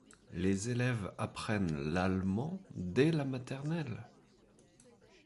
Les élèves apprennent l’allemand dès la maternelle.